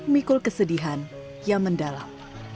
mikul kesedihan yang mendalam